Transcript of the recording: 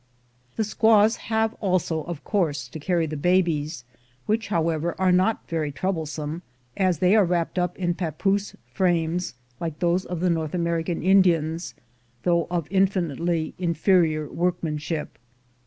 The squaws have also, of course, to carry the babies; which, however, are not very troublesome, as they are wrapped up in papoose frames like those of the North American Indians, tliough of infinitely inferior workmanship.